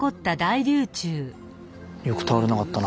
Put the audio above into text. よく倒れなかったな